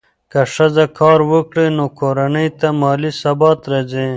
که ښځه کار وکړي، نو کورنۍ ته مالي ثبات راځي.